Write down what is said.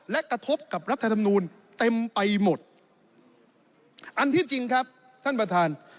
และกระทบกับรัฐธรรมนูลเต็มไปหมดอันที่จริงครับท่านประธาน